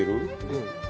うん。